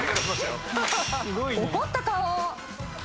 怒った顔。